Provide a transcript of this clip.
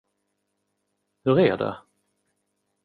Hur är det?